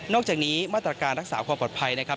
อกจากนี้มาตรการรักษาความปลอดภัยนะครับ